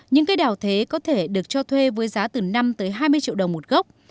những cây đào thế có thể được cho thuê với giá từ năm tới hai mươi triệu đồng một gốc